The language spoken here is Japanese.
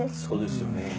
そうですよね。